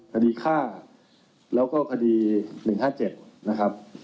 คดีฆ่าแล้วก็คดี๑๕๗นะครับ